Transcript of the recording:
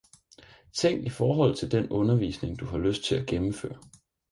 Tænk i forhold til den undervisning du har lyst til at gennemføre